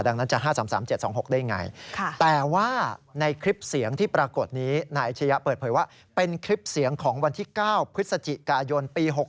ดังนั้นจะ๕๓๓๗๒๖ได้ไงแต่ว่าในคลิปเสียงที่ปรากฏนี้นายอาชญะเปิดเผยว่าเป็นคลิปเสียงของวันที่๙พฤศจิกายนปี๖๖